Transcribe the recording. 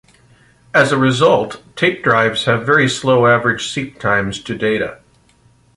As a result, tape drives have very slow average seek times to data.